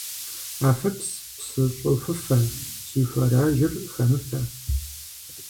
Афыпс, псы щӏыхуфэ, си хуарэжьыр хэмыфэ.